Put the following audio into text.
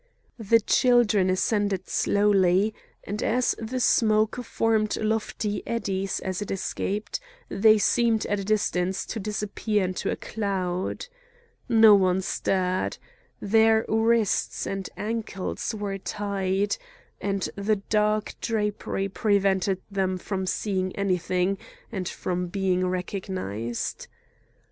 The children ascended slowly, and as the smoke formed lofty eddies as it escaped, they seemed at a distance to disappear in a cloud. Not one stirred. Their wrists and ankles were tied, and the dark drapery prevented them from seeing anything and from being recognised.